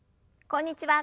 こんにちは